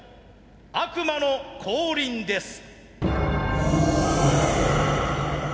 悪魔の降臨です。